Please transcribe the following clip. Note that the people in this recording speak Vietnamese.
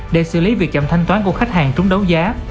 để xử lý việc chậm thanh toán của khách hàng trúng đấu giá